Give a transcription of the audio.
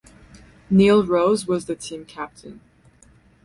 Neil Rose was the team captain.